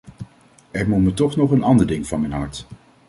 Er moet me toch nog een ander ding van mijn hart.